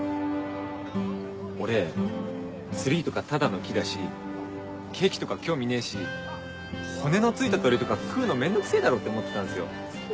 俺ツリーとかただの木だしケーキとか興味ねえし骨の付いた鶏とか食うの面倒くせぇだろって思ってたんすよ。